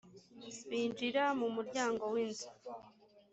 binjira mu muryango w’inzu